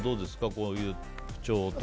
こういう不調とか。